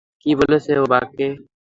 কি বলছে ও, বাকে?